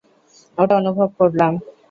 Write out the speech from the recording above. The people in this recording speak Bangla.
ওটা অনুভব করলাম।